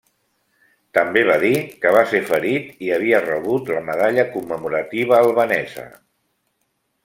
També va dir que ser ferit i havia rebut la Medalla commemorativa albanesa.